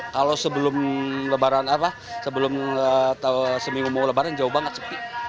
kalau sebelum lebaran sebelum seminggu mau lebaran jauh banget sepi